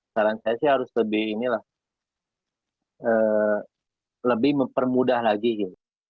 saran saya sih harus lebih inilah lebih mempermudah lagi gitu